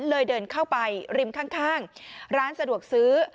เดินเข้าไปริมข้างร้านสะดวกซื้อ